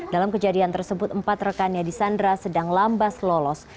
dalam kejadian tersebut empat rekannya di sandra sedang lambas lolos